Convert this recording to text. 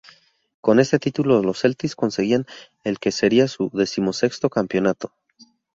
Con este título los Celtics conseguían el que sería su decimosexto campeonato.